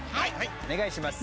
お願いします。